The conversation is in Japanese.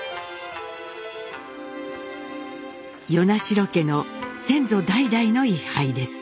与那城家の先祖代々の位はいです。